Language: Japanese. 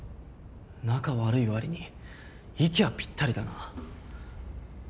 仲悪い割に息はぴったりだな。